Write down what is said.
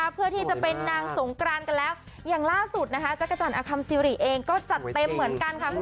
เพื่อที่จะเป็นนางสงครานกันแล้วอย่างล่าสุดจักรจรอัคพรมซิริเองก็จัดเต็มเหมือนกัน